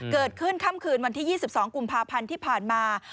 เกิดขึ้นค่ำคืนวันที่๒๒กุมภาพันธ์ที่ผ่านมา